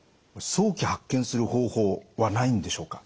早期発見する方法はないんでしょうか？